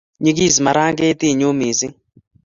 nyekis maranketiinyu misiing